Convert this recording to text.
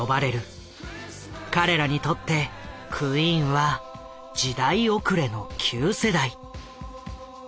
彼らにとってクイーンは時代遅れの旧世代。